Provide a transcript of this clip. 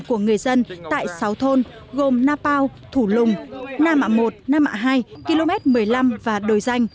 của người dân tại sáu thôn gồm napao thủ lùng na mạ một nam hạ hai km một mươi năm và đồi danh